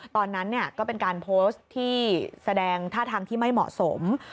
ตอนนั้นก็เป็นการโพสต์ที่แสดงท่าทางที่ไม่เหมาะสม